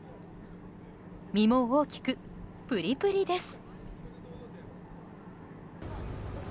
身も大きくプリプリです。